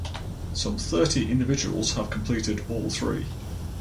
Some thirty individuals have completed all three.